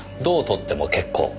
どう取っても結構。